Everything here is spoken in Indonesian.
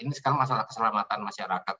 ini sekarang masalah keselamatan masyarakat